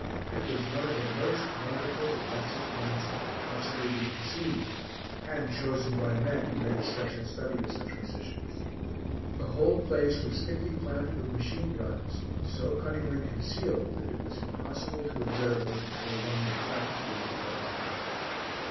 It was one of the most wonderful defensive points that could possibly be conceived, and chosen by men who made a special study of such positions. The whole place was thickly planted with machine guns, so cunningly concealed that it was impossible to observe them until one was practically at the gun's mouth.